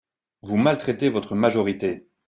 Vous maltraitez votre majorité